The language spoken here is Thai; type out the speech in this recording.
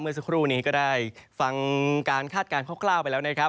สักครู่นี้ก็ได้ฟังการคาดการณคร่าวไปแล้วนะครับ